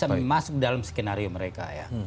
sehingga ini bisa masuk dalam skenario mereka ya